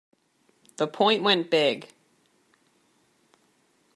The point went big.